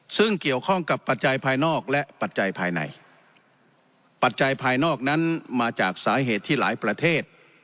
ซึ่งเกี่ยวข้องกับปัจจัยภายนอกและปัจจัยภายในปัจจัยภายนอกนั้นมาจากสาเหตุที่หลายประเทศ